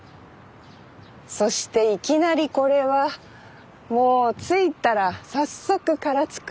そしていきなりこれはもう着いたら早速唐津くんちですね。